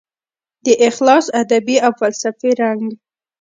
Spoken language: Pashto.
د اخلاص ادبي او فلسفي رنګ